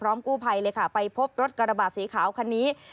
กู้ภัยเลยค่ะไปพบรถกระบะสีขาวคันนี้